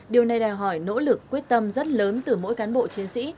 điều này đòi hỏi nỗ lực quyết tâm rất lớn từ mỗi cán bộ chiến sĩ